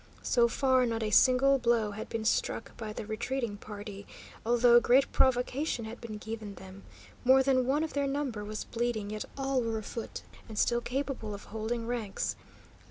So far not a single blow had been struck by the retreating party, although great provocation had been given them. More than one of their number was bleeding, yet all were afoot, and still capable of holding ranks.